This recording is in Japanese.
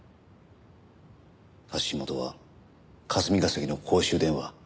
発信元は霞が関の公衆電話。